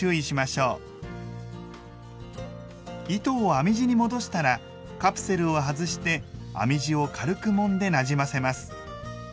糸を編み地に戻したらカプセルを外して編み地を軽くもんでなじませます。